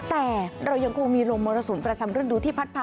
แต่เรายังคงมีลมมรสุมประจำฤดูที่พัดพา